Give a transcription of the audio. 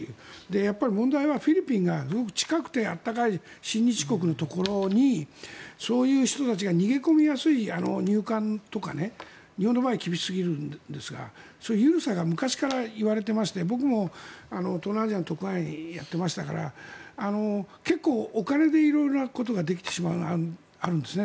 やっぱり問題はフィリピンがすごく近くて暖かい親日国のところにそういう人たちが逃げ込みやすい入管とか日本の場合厳しすぎるんですがそういう緩さが昔から言われていまして僕も東南アジアの特派員をやっていましたから結構、お金で色々なことができてしまうところがあるんですね。